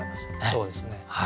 そうですね。